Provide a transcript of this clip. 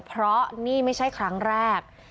เพราะนี่ไม่ใช่ครั้งแรก